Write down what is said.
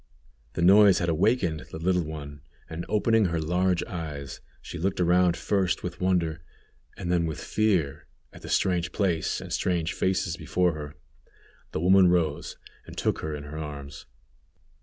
The noise had awakened the little one, and opening her large eyes, she looked around first with wonder, and then with fear, at the strange place and strange faces before her. The woman rose and took her in her arms.